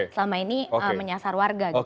selama ini menyasar warga